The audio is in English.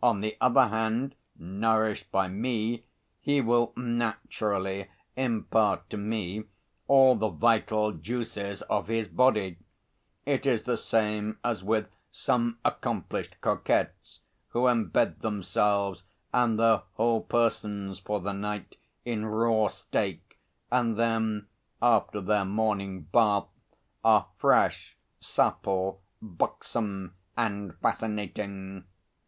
On the other hand, nourished by me, he will naturally impart to me all the vital juices of his body; it is the same as with some accomplished coquettes who embed themselves and their whole persons for the night in raw steak, and then, after their morning bath, are fresh, supple, buxom and fascinating.